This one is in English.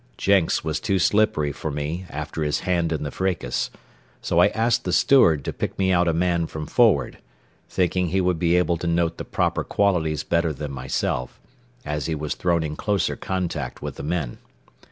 Jenks was too slippery for me after his hand in the fracas, so I asked the steward to pick me out a man from forward, thinking he would be able to note the proper qualities better than myself, as he was thrown in closer contact with the men.